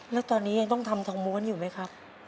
แล้วตอนนี้ยังต้องทำทองม้วนอยู่ไหมครับ